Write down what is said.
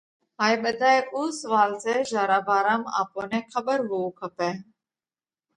هائي ٻڌائي اُو سوئال سئہ جيا را ڀارام آپون نئہ کٻر هووَو کپئہ۔